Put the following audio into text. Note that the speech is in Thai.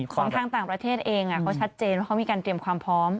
ของทางต่างประเทศเองเขาชัดเจนว่าเขามีการเตรียมความพร้อม